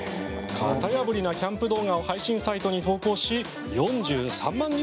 型破りなキャンプ動画を配信サイトに投稿し４３万